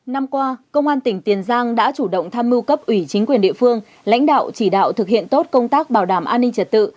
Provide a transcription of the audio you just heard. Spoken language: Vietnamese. năm qua công an tỉnh tiền giang đã chủ động tham mưu cấp ủy chính quyền địa phương lãnh đạo chỉ đạo thực hiện tốt công tác bảo đảm an ninh trật tự